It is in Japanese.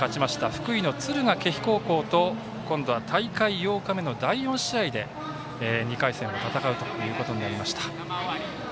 福井の敦賀気比高校と今度は大会８日目の第４試合で２回戦を戦うことになりました。